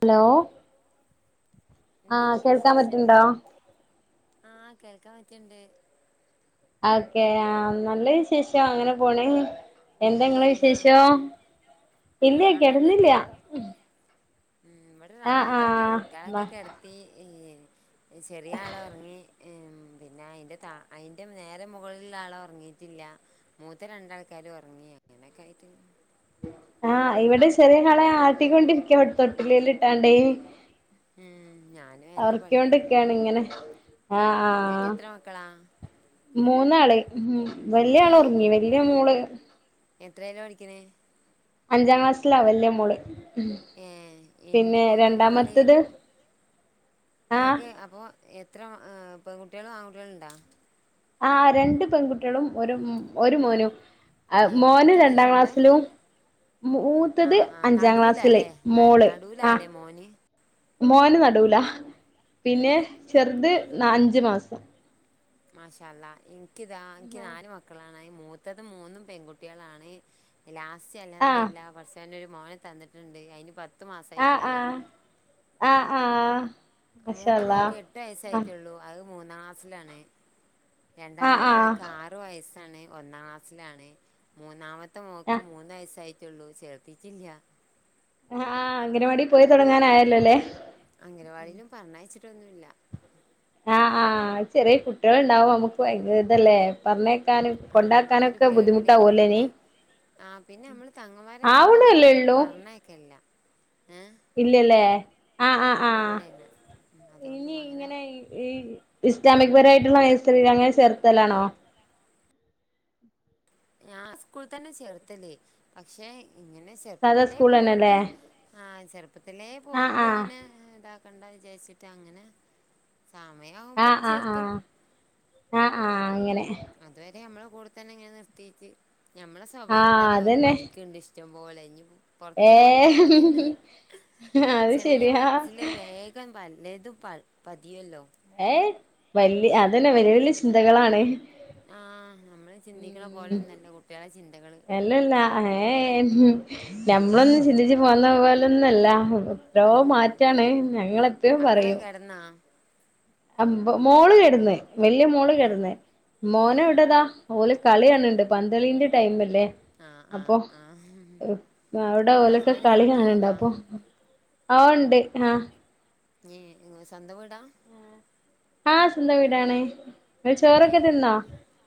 Hello ആഹ കേൾക്കാൻ പറ്റണ്ടോ ആഹ കേൾക്കാൻ പറ്റിണ്ട് ഓക്കെ ആ നല്ല വിശേഷം അങ്ങനെ പോണ എന്തെങ്ങളെ കെടന്നാ വിശേഷോ ഇല്ലയ കിടന്നില്ല റാഹത്തന്നെ ഇവിടെ ആഹ് റാഹത്തന്നെ ആഹ് വ കുട്ടികളക്കൊ കെിടത്തി ചെറിയ ആള് ഉറങ്ങി ഉ പിന്നെ അയിന്റെ ത അയിറെ നേരെ മുകളിലുള്ള ആള് ഉറങ്ങിയിട്ടില്ല മൂത്ത രണ്ടാൾക്കാര് ഉറങ്ങി അങ്ങനെൊക്കെ ആയിട്ട് ആഹ് ഇവിടെ ചെറിയ ആളെ ആട്ടി കൊണ്ടിരിക്കയ ഇവിടെ തൊട്ടിലി ലി ഇട്ടാണ്ടേ ഉം ഞാനും അതന്നെ പണി ക്കാണ് ഇങ്ങനെ ആഹ് ഇങ്ങക്ക് ആഹ് എത്ര മക്കളാ മൂന്നാള് ഉ വല്യ ആള് ഉറങ്ങിണ് വല്യ മോള് എത്രയാലാ പഠിക്കണേ അഞ്ചാം ക്ലാസ്സിലാ വല്യ മോള് ഏഹ ഇന്റെ പിന്നെ മൂത്ത മോള് രണ്ടാമത്തത് ആഹ് നിങ്ങക്ക് അപ്പൊ എത്ര പെൺകുട്ടികളും ആൺകുട്ടികളും ഉണ്ടോ ആ രണ്ട് പെൺകുട്ടികളും ഒരു ഒരു മോനും ആഹ് ഏ മോന് മൂത്തത് രണ്ടാം രണ്ട് ക്ലാസ്സിലൂം ആ മൂത്തത് ആ അഞ്ചാം ക്ലാസ്സിലെ നടൂലല്ലേ മോള് ആഹ് നടൂലാല്ലേ മോന് മോന് നടൂല പിന്നെ ചെറുത് ന അഞ്ച് മാസം മാഷാ അള്ളാ എനിക്ക്താ എനിക്ക് നാല് മക്കളാണ് അത് മൂത്തത് മൂന്നും പെൺകുട്ടികളാണ് ലാസ്റ്റ് ആ അൽഹംദുലില്ലാഹ് പടച്ചവൻ ഒരു മോനെ തന്നിട്ടുണ്ട് അതിന് പത്ത് മാസം ആയിട്ടേ ഒള്ളൂ ആഹ് ആഹ് മൂത്ത മോക്ക് എട്ട് വയസ്സായിട്ടേ ഉള്ളൂ അത് മൂന്നാം ക്ലാസ്സിലാണ് ആ രണ്ടാമത്തെ ആ ആക്ക് ആറ് വയസ്സാണ് ഒന്നാം ക്ലാസ്സിലാണ് മൂന്നാമ ത്തെ ആ മോക്ക് മൂന്ന് വയസ്സായിട്ടുള്ളൂ ചേർത്തിട്ടില്ല ആഹ് അംഗനവാടീ പോയി തൊടങ്ങാനായല്ലോ അല്ലേ അംഗനവാടിയിലും പറഞ്ഞയച്ചിട്ടൊന്നുമില്ല ആഹ് ആഹ് ചെറിയ കുട്ട്യൾ ഉണ്ടാവുമ്പോ നമുക്ക് ഭയങ്കര ഇതല്ലേ പറഞ്ഞേക്കാനും ആഹ് നമ്മുക്കൊരു കൊണ്ടാക്കാനൊക്കെ പേടിയാ ബുദ്ധിമുട്ടാവൊല്ലേ ഇനി പിന്നെ ആഹ് പിന്നെ അമ്മള് കങ്ങുംപാര ആയതു കൊണ്ട് അങ്ങനെ ആവണല്ലേ ഉള്ളൂ പറഞ്ഞയക്കെല്ല ഇല്ലല്ലേ ആഹ് ആഹ് ആഹ് ഇല്ലന്നെ അതുകൊണ്ട് ഇനി അങ്ങനെ ഇങ്ങനെ ഈ ഈ ഇസ്ലാമിക് പരായിട്ടുള്ള നേഴ്സറീല് അങ്ങനെ ചേർത്തലാണോ ഞാൻ ആ സ്കൂളി തന്നെ ചേർത്തല് പക്ഷെ ഇങ്ങനെ സ് സാധാ ചെറുപ്പത്തിലേ സ്കൂൾ തന്നെല്ലേ പോയിട്ട് ആഹ് ചെറുപ്പത്തിലേ ആഹ് പോയിട്ട് ആഹ് ഇങ്ങന [unintelligible] ഇതാക്കണ്ട വിചാരിച്ചിട്ട് അങ്ങന സമയാവു ആഹ് ആഹ് ആഹ് ആഹ് ആഹ് അങ്ങനെ അതുവരെ നമ്മളെ കൂടെ തന്നെ ഇങ്ങനെ നിർത്തിയിട്ട് ഞമ്മള സ്വഭാവം ആഹ് തന്നെ ഓലും അതന്നെ പഠിക്കണ്ട് ഇഷ് ടം പോലെ ഇനീപ്പോ പൊറത്ത് പോയിട്ട് ഏഹ് പഠിക്കന്ന അത് ചെറിയ ശരിയാ മനസ്സില് വേ ഗം പലതും പ പതിയൊല്ലോ ഏഹ് വല്യ അതന്നെ വലിയ വലിയ ചിന്തകളാണ് ആഹ് നമ്മള് ചിന്തിക്കണ ഉം പോലൊന്നല്ല കുട്ടികളെ ചിന്തകള് എല്ലല്ല ഏഹ് നം ഉം നമ്മളൊന്നും ചിന്തിച്ച് പോന്ന പോലൊന്നും അല്ല എത്രയോ ഉം മാറ്റാണ് ഞങ്ങള് എപ്പഴും പറയും [unintelligible] അഹ് മോള് കെടന്ന് വല്യ മോള് ഏഹ് കെടന്ന് മോന് ഏഹ് ഇവിടെ ഇതാ ഓല് കളി കാണണ് ണ്ട് പന്ത് കളീന്റെ ടൈം അല്ലേ ആഹ് അപ്പൊ ആഹ് ആഹ് അവിടെ നിങ്ങളെ ഓലെക്കെ ഹസ്ബൻഡ് കളി കാണണ് ണ്ടാ നാട്ടിലുണ്ടാ അപ്പൊ ആഹ് ഓണ്ട് ഹാ ന് നിങ്ങളെ സ്വന്തം വീടാ ആഹ് സ്വന്തം വീടാണ് ഇങ്ങള് ഏഹ് തിന്നോ ചോറൊക്കെ തിന്നോ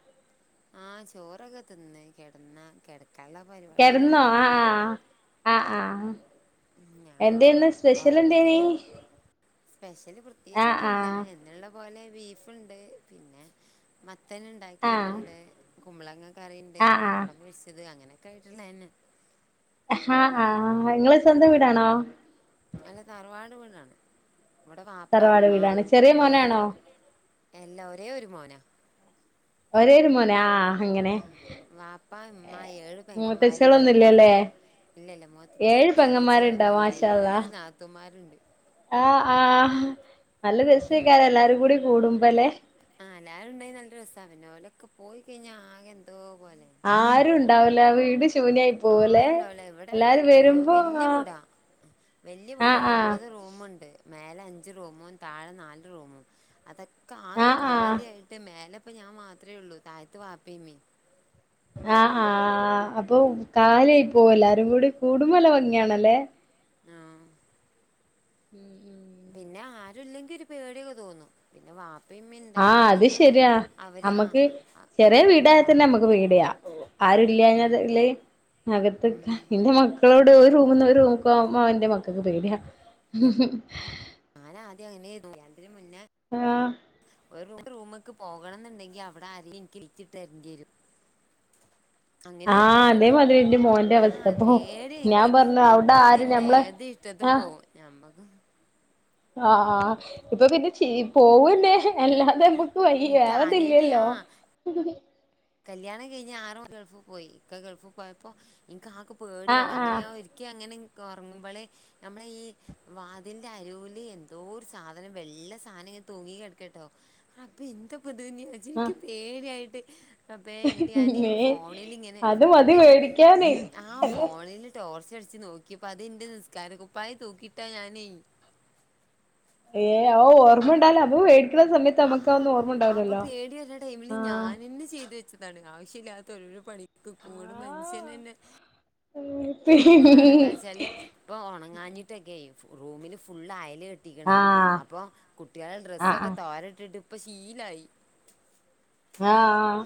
ആഹ് ചോറൊക്കെ തിന്ന് കെടന്ന കെടക്കാള്ള പരി കെടന്നോ ആഹ് ആഹ് ആഹ് ആഹ് ഉം ഞാന് കെ ഒറങ്ങീട്ടില്ല സ്പെഷ്യല് ആ പ്രത്യേകിച്ച് ആ ഒന്നുല്ല എന്നുള്ള പോലെ ബീഫ്ണ്ട് പിന്നെ മത്തൻ ആ ഇണ്ടാക്കീട്ട്ണ്ട് കുമ്പളങ്ങ കറീണ്ട് ആ പപ്പടം ആ പൊരിച്ചത് അങ്ങനെയൊക്കെ ആയിട്ടുള്ളെന്നെ ഹാ ആഹ് ഇങ്ങള സ്വന്തം വീടാണോ? അല്ല താറവാട് വീടാണ് ഇവ്ടെ വാപ്പ തറവാട് ഉമ്മ വീടാണ് ചെറിയ ഏഴ് മോനാണോ എല്ല ഒരേ ഒരു മോനാ ഒരേ ഒര് മോനാ ആഹ് ആഹ് വാപ്പ ഇമ്മ ഏഴ് പെങ്ങമാര് ഒരു മോന് മൂത്തച്ചികളൊന്നുംല്ലല്ലേ ഇല്ലല്ല ഏഴ് മൂത്തെച്ചിയളും പെങ്ങന്മാരുണ്ടോ എളെച്ചിയളൊന്നുല്ല മാഷാ അള്ളാ ഏഴ് നാത്തൂമാര്ണ്ട് ആഹ് ആഹ് നല്ല രസെക്കാരെല്ലാരു കൂടി കൂടുമ്പല്ലേ ആഹ് എല്ലാരും ഉണ്ടെങ്കി നല്ല രസ്സാണ് പിന്നെ ഓലൊക്ക പോയി കഴിഞ്ഞാ ആകെ എന്തോ പോലേണ് ആരുണ്ടാവുല്ല വീട്ഷ് ആരുണ്ടാവുല ഇവ്ടെ വരുമ്പോ വല്യ ആഹ് വീടാ വല് ല്യ വീടാണ് ആഹ് ഒമ്പത് റൂമുണ്ട്. മേലെ അഞ്ച് റൂമും താഴെ നാല് റൂമും അതൊക്കെ ആകെ ആഹ് ആഹ് ആഹ് കാലിയായിട്ട് മേലെ പ്പൊ ഞാ മാത്രേള്ളൂ താഴത്ത് വാപ്പിമ്മീം. ആഹ് ആഹ് അപ്പൊ കാലിയാ പോവലാരും കൂടി കൂട്ടുബോ നല്ല ഭംഗിയാണല്ലേ? ആഹ്. ഉം. ഉം പിന്നെ ആരുല്ലെങ്കി ഒരു പേടിയൊകെ തോന്നു പിന്നെ വാ ആഹ് അത് ശെരിയാ ആ അമ്മക്ക് ആ ചെറിയ ആ വീടായാ വാ തന്നെ അമ്മക്ക് പേടിയാ. ആരുല്ലഞത് ഉം ല് അകത്ത്ക്ക. ഉം ന്റെ മക്കളോട് ഒരു റൂമ്ന്ന്ഒര് റൂമ്ക്ക്കൊവൻ ന്റെ മക്കക്ക് പേടയാ. ഞാന ആദ്യം അങ്ങനെനു കല്യാണ തിന് മുന്നേ ആഹ് ഒരു റൂമ് ക്ക് പോകണ ന്ന്ണ്ടെങ്കി അവ്ട ആരെ ക്കി ലിറ്റിട്ടരണ്ടിയെരു. അങ്ങനെര്ന്ന് ആഹ് ഞാന് അതേമാതിരി എന്റെ മോന്റെ ആ അവസ്ഥ ഇപ്പൊ ഞാൻ പേടിയഇൻക്ക് പറഞ്ഞു അവിടെ ഇപ്പൊ ആരും പിന്നെ ഞമ്മളെ ഏത്. റ്റതു ആഹ് പോവു ഞാമ്മക്. ആഹ് ആഹ് ഇപ്പൊ പിന്നെ ചീ പോവ്ന്നെ അല്ലാതെ അമ്മ ക്ക് എനിക്ക് ആദ്യായിട്ട് വയിവേറെതില്ലല്ലോ. ആ കല്യാണം കഴിഞ്ഞഞ് ആറും ഗൾഫ് പോയി ഇക്കെ ഗൾഫ് പോയപ്പോ ഇൻക്കാകെ ആഹ് പേടിയാവ ആഹ് അങ്ങനെയഒരി ക്യയങ്ങന ഇൻക്കൊർങ്ങുമ്പൊള് നമ്മള ഈ. വാതിന്റെ അരുല് എന്തോ ഒരു സാധനം വെള്ള സാനം ഇങ്ങന തൂങ്ങി കടക്കട്ടോ. അപ്പെന്താപ്പത് ന്നച്ച് ആഹ് ൻക്ക് പേടിയായിട്ട്. റമ്പേ ഇങ്ട്ട് ഞാന് മേ ഫോണിലിങ്ങനെ അത് മതി ഫോണില് പേടിക്കാന് ആ ഫോണില്. ടോർച്ച അടിച്ച് നോക്കിയപ്പോ അതിന്റെ നിസ്കാരക്കുപ്പായി തൂക്കിയിട്ടതാനാന്നെയ്. ഏഹ് ഔ ഓർമ്മണ്ടല അപ്പേടി ആഹ് അപ്പൊ പേടി വര്ണ ടൈമില് ആഹ് ഞാനെന്നെ ചെയ്തു വെച്ച താണ് ആവശ്യല്ലാത്ത ഒരരോരോ പണിക്ക്ക്കും ന്ന്ട് ആഹ് മനുഷ്യനന്നെ. പ്പണെന്താച്ചാല് പ്പൊ ഉണങ്ങാഞ്ഞിട്ടൊക്കെയ് റൂമില് ഫുള്ള് അയല് കെ ട്ടിക്ക്ണ് അപ്പൊ കുട്ടിയളെ ആഹ് ഡ്രസ്സൊക്കെ ആഹ് തോര്ട്ട്ട്ട് പ്പ ശീലായി. ആഹ് ആഹ്.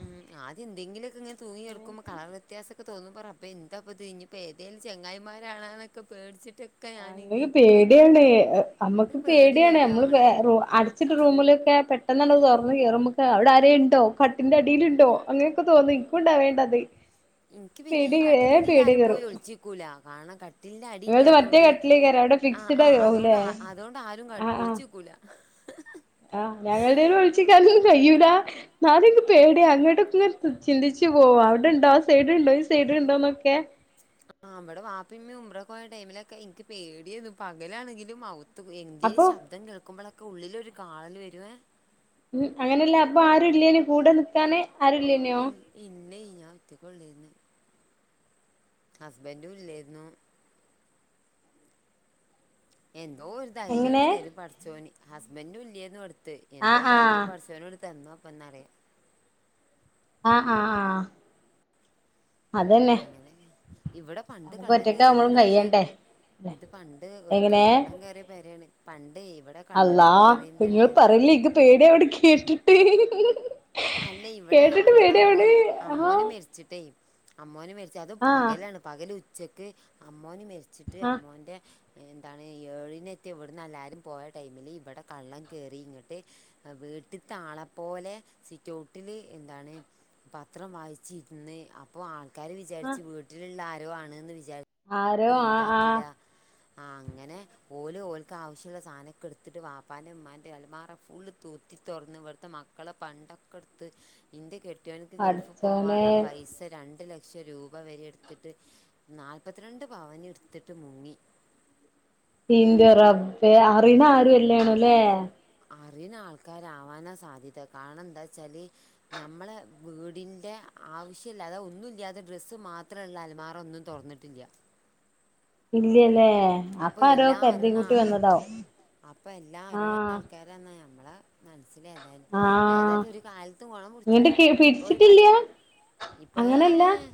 ഉം ആദ്യന്തെങ്കിലൊക്കെ ങ്ങ തൂങ്ങിക്കട്ക്കുമ്പോ കവർ. വ്യത്യാസൊക്കെ തോന്നുബോ റമ്പേ എന്താപ്പത് ഇനിപ്പെ ഏതേലു ചെങ്ങായിമാരാണെന്നൊക്കെ പേട്ച്ച്ട്ട്. മ്മക്ക് പേടിയേണ് നമ്മക്ക് ഒരു പേടി പേടിയാണ് വരും നമ്മള് വെ റു അട്. ച്ച്ന്റെറൂമിലൊക്കെ പെട്ടെന്നണ്ട് തൊർന്ന് കയറുബൊക്കെ അവിടെ ആരെണ്ടോ കട്ടിന്റെ അടില്ണ്ടോ അങ്ങനെക്കെ തോന്നെ. ഇക്കു ഉണ്ടവണ്ടത്. ഇന്ക്ക് പിന്നെ ഈ കട്ടിന്റെടിലാരും പോയി ഒള്ച്ചിക്കൂല കാണ ക ട്ടിൽന്റെ നിങ്ങളത് മറ്റേ അടില്ലാത്തൊണ്ട് കട്ടിലേക്കാരം അവിടെ ആഹ് ഫിക്സ്ഡ് ആഹ് അതോണ്ട് ആവുല്ലേ അ അതോണ്ടാരു ആഹ് ആഹ് ഒളിച്ചിക്കൂല. ആഹ് ഞങ്ങള് ടെലു ഒളിച്ചിക്കനുകയൂല. ന്താലുൻക്ക് പേടിയ അങ്ങട്ടൊക്കെ ഇത് ച്ന്ത്ച്ച് പോവ അവ്ട്ണ്ടോ ആ സൈഡ്ണ്ടോ ഈ സൈഡ്ണ്ടോന്നൊക്കെ. ആഹ് വടെ വാപ്പിമ്മിയും ഉംറക്കോയ ടൈമിലൊക്കെ ൻക്ക് പേടിയേനു പകലാണെങ്കിലും ഔ ത്തു അപ്പൊ എന്തേലുംശബ്ദം കേൾക്കുമ്പളക്കെ ഉള്ളിലൊരുകാളല് വെരേ ഉം അങ്ങനല്ല അപ്പൊആരുല്ലേനീകൂടെ നിക്കാന് ആരുല്ലെയ്നോ? ഇല്ലേയ് ഞാൻഒറ്റക്കൊള്ളൊയിന്ന് ഹസ്ബന്റുംഇല്ലെയിരുന്നു എങ്ങനെ എന്തോഒരുധൈര്യംഇങ്ങട്തരും പഠിച്ചോന് ഹസ്ബന്റുംഇല്ലെയേരുന്ന്ടുത്ത് ആഹ് ആഹ് എന്തോധൈര്യംപട്ച്ചൊനോട്തന്നു അപ്പന്നറെ ആഹ് ആഹ് ആഹ നമുക്ക് അങ്ങനെയഇവിടെപണ്ട്കള്ളം ഒറ്റക്കാവുമ്പളും കേറിയവീടാണ് കയ്യണ്ടേ ഇത്പണ്ട് എങ്ങനെ ഒരിക്കെകള്ളം കെറിയപെരേണ് പണ്ടെയ്ഇവിടെ അള്ളാ ഇങ്ങള്പറയല്ലി ഇൻക്ക്‌ പേടിയാവ്ണ്ട്കേട്ടിട്ട് അല്ലെയ് ഇവിടെ അമ്മളഅമ്മോന് അമ്മോന് ആഹ് മേര് ച്ചിട്ടേയ് അമ്മോന് മരിച്ച അതും ആഹ് പകലാണ് പകല് ഉച്ചക്ക് അമ്മോന് മരിച്ച് റ്റ് ആഹ് അമ്മോന്റെ എന്താണ് ഏഴ്നെതി ഇവ്ട്ന്ന് എല്ലാരും പോയ ടൈമില് ഇവിടെ കള്ളൻ കേറി ഇങ്ങട്ട് വീട്ട്ത്താളപോലെ സിറ്റൊട്ടില് എന്താണ് പത്രം വായിച്ചിര്ന്ന് അപ്പോ ആൾക്കാര് ആഹ് വിചാരിച്ച് വീ റ്റ്ലുള്ള ആരോ ആണ്ന്ന് വിചാ ആരോ ആഹ് ആഹ് മൈന്റാക്കീലാ ആഹ് അങ്ങനെ ഓല്ഓൽക്കാവശ്യള്ള സാനൊക്കെടുത്തിട്ട് വാപ്പാന്റെ മ്മാന്റെ അൽമാറഫുള് കുത്തിത്തുതൊറന്ന് ഇവട്ത്തെ മക്കളെ പണ്ട ക്കെട്ത്ത് ഇന്റെ കെട്ടിയോന്ക്ക്‌ ഗൾഫ് പടച്ചോനെ പോവാൻള്ള പൈസ രണ്ട്ലക്ഷ ക്ഷരൂപവരെട്ത്തിട്ട് നാൽപ്പത്തിരണ്ട് പവന്ടുത്തിട്ട് മുങ്ങി ഇന്റെറബേ അറിണാരോ അല്ലെനോലേ അറിയ്ണ ആൾക്കാര് ആവാനാ സാധ്യത കാണംന്താച്ചാല് ഞമ്മള വീടിൻ്റെ ആവശ്യല്ലാതെ ഒന്നുല്ല്യാതെ ഡ്രസ്സ്മാത്രള്ള അൽമാറന്നും തൊറന്ന്ട്ടില്ല്യ ഇല്ല്യലേ? അപ്പൊ എല്ലാ അറിയണ ആഹ് അപ്പൊ എല്ലാ അറിണ ആഹ് ആൾക്കാരെന്നാ ഞമ്മളെ മനസ്സിലേതായാലും ആഹ് ഏതായാലും ഒരു കാലത്തും ഗൊണം ഇങ്ങട്ട് പുട്ച്ചുലാ ഇപ്പൊരു പിടിച്ചിട്ടില്ല പത്ത് ഇപ്പൊ ഏഹ് അങ്ങനല്ല ഏഹ്.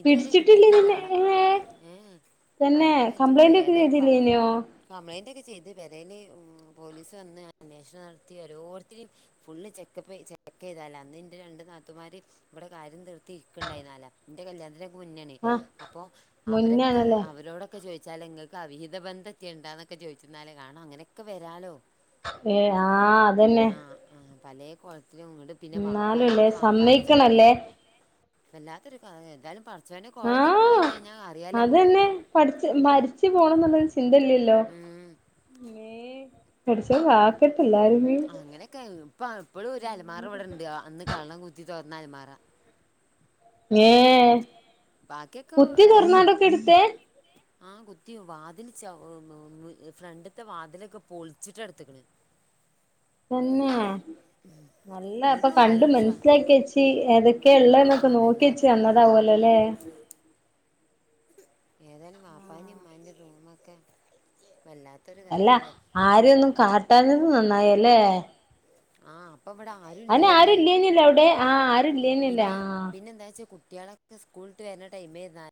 ഇതുവരെ പിടിച്ചിട്ടില്ല കിട്ടിട്ടില്ല. നിന്നെ ആളെ ഏഹ് ഏഹെ തന്നെ അയാളായിറ്റ് പോയി കംപ്ലൈന്റ് ഒക്കെ ഏതയാലും പ ചെയ്തില്ലേനോ കംപ്ലൈന്റ്ക്കെ ചെയ്ത് പേരേല് പോലീസ് വന്ന് അന്വേഷണം നടത്തി ഓരോര്ത്തരിം ഫുള്ള് ചെക്കപ്പ് ചെക്ക്യ്കാല അന്ന്ന്റെ രണ്ട്നാത്തുമാര് ഇവിടെ കാര്യം തീർ ട്ടീക്ക്‌ണ്ടായികാല [unintelligible] ന്റെ കല്യാൻത്തിനക്കെ മുന്നെണെ ആഹ് അപ്പോ അവരൊക്കെ മുന്നാണല്ലേ അവരോടൊക്കെ ചോയി വച്ചാല് ഇങ്ങക്ക് അവിഹത ബന്ധം ഉണ്ടാന്നൊക്കെ ചോയിച്ചുന്നാലെ കാണാം അങ്ങനൊക്കെ വരാലോ ഏഹ് ആഹ് അതന്നെ ആഹ് പലേകോൽത്തിലും ഇങ്ങട്ട് പിന്നെ വാപ്പാ എന്നാലുംല്ലേ ഇവിടത്തെ വാപ്പാനെ ചോദ്യം സമ്മയിക്കണല്ലേ ചെയ്യ്‌ വല്ലത്തൊരുക്കാഹ് എന്തായാലും പഠച്ചൊന്റ കോടതീ പോയികഴിഞ്ഞ അറിയാലനമുക്ക് പഠ്ച്ച് മരിച്ച് പോണം ഏന്നുള്ളൊരു ചിന്ത ഇല്ലല്ലോ ഉം യേഹ് പട്ച്ചോൻക്കാ അങ്ങനെയൊക്കെ ഇപ്പ ഇപ്പളും ഒരു അലമാറവിടെണ്ട് അന്ന് കള്ളൻ കുത്തി തോറന്ന അൽമാറ ഏഹെ കുത്തിതൊറ്ന്നാണ്ടൊക്കെ എടുത്തെ? ആഹ് കുത്തിയൊ വാതില് [unintelligible] ഫ്രണ്ട്ത്തെ വാതിലൊക്കെ പോൾച്ചിട്ട ഏടുത്ത്ക്ക്ണ് തന്നെ നല്ല അപ്പ ഇങ്ങോട്ടും ആരും ഷ കണ്ടുമൻസിലാക്കിവെച്ചി ആ ഏതൊക്കെയെള്ള ന്നൊക്കെനോക്കിയച്ച് വല്ലാത്തൊരു കഥ വന്നതാവലൊലേ? ഏതയലും മാപ്പാന്റിം ഉമ്മാന്റ റൂമക്കെ വല്ലാ അല്ല ആരെയൊന്നും കാട്ടാഞ്ഞത് നന്നായല്ലേ? ആഹ് പ്പൊവ്ടെ ആരു അയ്നെ ആരുല്ലേയ്നിലോവ്ടെ ആഹ് ആരു പിന്നെ പിന്നെ എന്താ വെച്ചൽ കുട്ടികളൊക്കെ സ്കൂളിട്ട് വരുന്ന ടൈ മ് ആണ്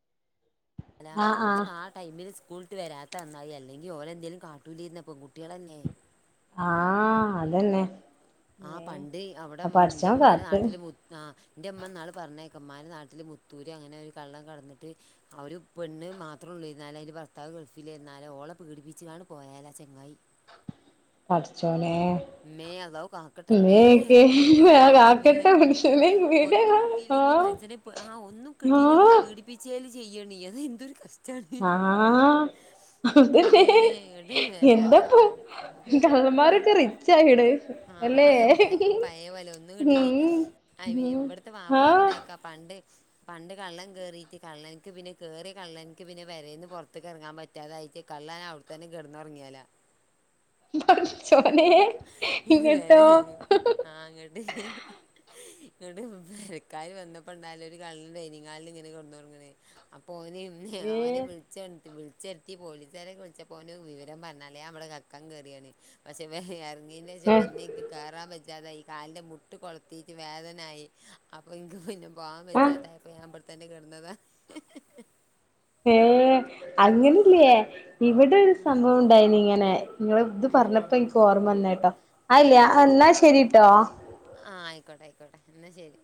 അല്ല ആ ആ പക്ഷെ നാട്ട ടൈമിൽ സ്കൂളിട്ട്‌വരാത്ത നന്നായി അല്ലെങ്കിൽ ഓരേ എന്തേലും കാട്ടൂലിരുന്നപ്പം പെങ്കുട്ടികളല്ലെ ആഹ് അത്‌ തന്നെ ആഹ് പണ്ട് അവിടെ എന്റെ ഇമ്മന്റ കാത്ത് നാട്ടില് ആഹ് എന്റെ അമ്മ ഇനാള് പറഞ്ഞേക്ക ഉമാന്റെ നാട്ടില് പുത്തൂര് അങ്ങനെ ഒരു കള്ളൻ കടന്നിട്ട് അവര് പെണ്ണ് മാത്രേ ഉള്ളൂ അതില് ഭർത്താവ് ഗൾഫിലിരുന്നാലും ഓളെ പീഡിപ്പിച്ച്ച് കാണ് പോയാല ചെങ്ങായി പടച്ചോനെ മേ അള്ളാഹു കാക്കട്ടെ മേ ഇമ്മയൊക്കെ പേടി ആവുന്നു അല്ല ആക്കട്ടെ മനുഷ്യനെ വീട് ഒന്നും കിട്ടിയില്ലെങ്കി ആഹ് അതിനെ ഇപ്പ ആഹ് ഒന്നും കിട്ടിയിലേക്ക് ആഹ് പീഡിപ്പിച്ചേല് ചെയ്യണി അത് എന്തൊരു കഷ്ടം ആഹ അതല്ലെ ഇമ്മേ എട് വല്ലാത്തൊരു എന്താപ്പ കഥ കള്ളമാരോക്കെ റിച്ച് ആയിണ് അല്ലേ ആഹ് പയ പോലെ ഒന്നും കിട്ടീല്ലേ ഉം ഉം ഇവിടത്തെ വാപ്പ ആഹ് പറഞ്ഞേക്ക പണ്ട് പണ്ട് കള്ളൻ കേയറിട്ട് കള്ളനിക്ക് പിന്നെ കേറി കള്ളനിക്ക് പിന്നെ പേരേന്ന് പുറത്തടക ഇറങ്ങാൻ പറ്റും പറ്റിതായിട്ട് കള്ളൻ അവിടെ ത്തന്നെ കിടന്നുറങ്ങിയാല പടച്ചോനേ ആഹ് ഇങ്ങട്ട് ഇങ്ങോട്ട് പേരക്കാര് വന്നപ്പോ ഉണ്ടായാലും ഒരു കളൻ ഡൈനി ഹാളിലിൽ ഇങ്ങനെ കെടന്ന് ഉറങ്ങണ് അപ്പൊ ഒന് ഓൻ വി ഏഹ് വിളിച്ച്വ വിളിച്ചെണുത്തി പോലീസുകാരെ വിളിച്ച ഓന് വിവരം പറഞ്ഞാലേ ഞാൻ കക്കാൻ കേയറിയാണ് പക്ഷെ ഇറങ്ങീച്ച ഏഹ് പിന്നെ ഇന്ക് കേറാൻ വജ്ജാതായി ഈ കാലിന്റെ മുട്ട് കൊളത്തിട്ട് വേദനായി അപ്പൊ ഇന്ക്ക് പിന്നെ പോവാൻ ആഹ് വെച്ചാത്തായപ്പോ ഞാൻ ഇവിടെ ത്തന്നെ കിടന്നതാ ഏഹ് അങ്ങനെല്ലയേ ഇവിടെ ഒരു സംഭവം ഉണ്ടായിനി ഇങ്ങനെ നിങ്ങടു ഇത് ഉം പറഞ്ഞപ്പോ എനിക്ക് ഓർമ്മ വന്ന കേട്ടോ അല്ലേ എന്നാ ശരിട്ടോ ആഹ് ആയിക്കോട്ടെ ആയിക്കോട്ടെ എന്നാ ശരി